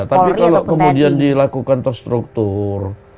tapi kalau kemudian dilakukan terstruktur